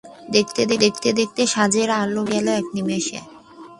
দেখতে গিয়ে, সাঁঝের আলো মিলিয়ে গেল এক নিমিষে।